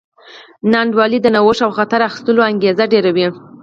ناانډولي د نوښت او خطر اخیستلو انګېزه ډېروي.